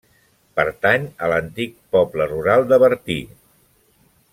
Pertany a l'antic poble rural de Bertí.